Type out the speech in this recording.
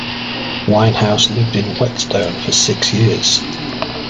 Winehouse lived in Whetstone for six years.